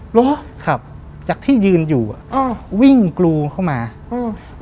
เหรอครับจากที่ยืนอยู่อ่ะอ่าวิ่งกรูเข้ามาอืม